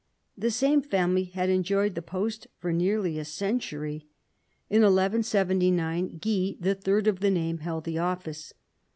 The same family had enjoyed the post for nearly a century. In 1179 Guy, the third of the name, held the office.